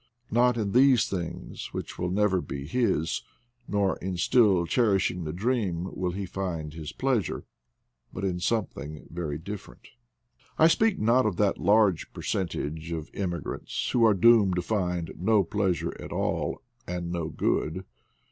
Not in these things which will never be his, nor in still cherish ing the dream will he find his pleasure, but in something very different. I speak not of that large percentage of immi grants who are doomed to find no pleasure at all, and no good.